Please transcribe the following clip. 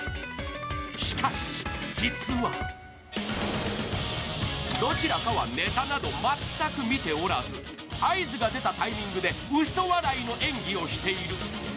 しかし、実は、どちらかはネタなど全く見ておらず、合図が出たタイミングで嘘笑いの演技をしている。